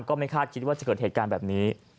ไม่คาดคิดว่าจะเกิดเหตุการณ์แบบนี้